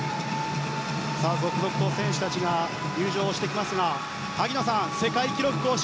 続々と選手が入場してきますが萩野さん、世界記録更新